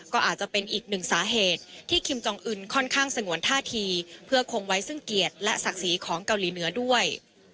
ก็อาจจะเป็นอีกหนึ่งสาเหตุที่คิมจองอื่นค่อนข้างสงวนท่าทีเพื่อคงไว้ซึ่งเกียรติและศักดิ์ศรีของเกาหลีเหนือด้วย